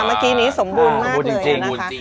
เมื่อกี้นี้สมบูรณ์มากเลยนะคะ